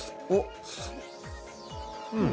うん。